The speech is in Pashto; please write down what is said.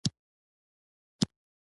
د سولې هڅې ټولنه پرمختګ ته بیایي.